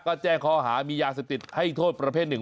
ก็แจ้งข้อหามียาเสพติดให้โทษประเภทหนึ่ง